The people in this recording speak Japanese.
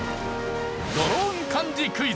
ドローン漢字クイズ